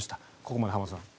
ここまで浜田さん。